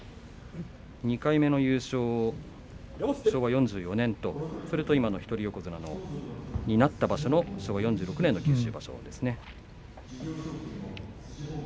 ２回目の優勝は昭和４４年と今の一人横綱になった場所の昭和４６年の九州場所ですね。